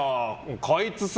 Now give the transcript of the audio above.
こいつさ！